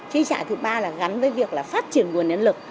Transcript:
chi trả thứ ba là gắn với việc là phát triển nguồn nhân lực